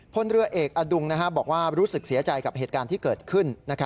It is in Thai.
พลเรือเอกอดุงบอกว่ารู้สึกเสียใจกับเหตุการณ์ที่เกิดขึ้น